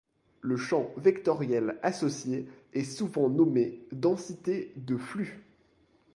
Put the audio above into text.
Le champ vectoriel associé est souvent nommé densité de flux.